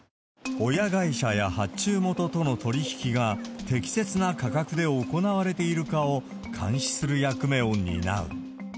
親会社や発注元との取り引きが適切な価格で行われているかを監視する役目を担う。